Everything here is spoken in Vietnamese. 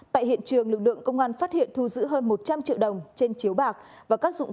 tại hiện trường lực lượng công an phát hiện thu giữ hơn một trăm linh triệu đồng trên chiếu bạc và các dụng